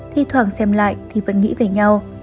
thỉ thoảng xem lại thì vẫn nghĩ về nhau